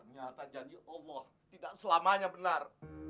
menyatakan janji allah tidak selamanya benar